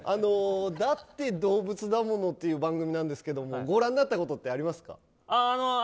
「だって動物だもの！」っていう番組なんですけどもご覧になったことありますか？